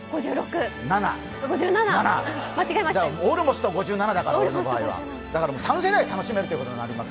オールモスト５７だから、だから、３世代楽しめるということです。